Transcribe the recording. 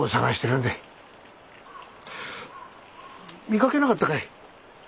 見かけなかったかい？